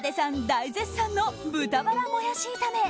大絶賛の豚バラもやし炒め。